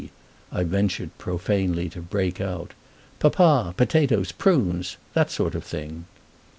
I ventured profanely to break out. "Papa, potatoes, prunes—that sort of thing?"